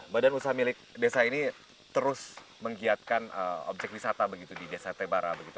badan usaha milik desa ini terus menggiatkan obyek wisata di desa tebara